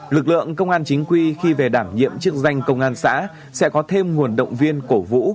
lực lượng công an chính quy khi về đảm nhiệm chức danh công an xã sẽ có thêm nguồn động viên cổ vũ